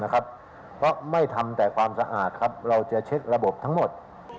เพราะไม่ทำแต่ความสะอาดครับเราจะเช็คระบบทั้งหมด